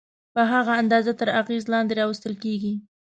په هغه اندازه تر اغېزې لاندې راوستل کېږي.